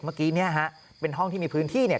เมื่อกี้เนี่ยฮะเป็นห้องที่มีพื้นที่เนี่ย